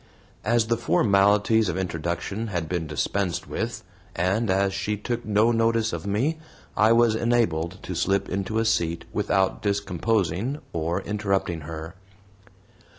As the formalities of introduction had been dispensed with, and as she took no notice of me, I was enabled to slip into a seat without discomposing or interrupting her.